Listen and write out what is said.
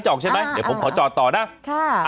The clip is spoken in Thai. จะออกใช่มั้ยเดี๋ยวขอจอดต่อนะค่ะ